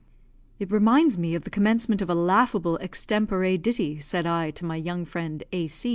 "It reminds me of the commencement of a laughable extempore ditty," said I to my young friend, A.